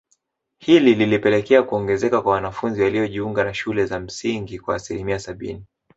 Hili lilipelekea kuongezeka kwa wanafunzi waliojiunga na shule za msingi kwa asilimia sabini